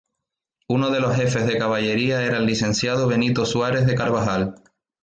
Uno de los jefes de caballería era el licenciado Benito Suárez de Carbajal.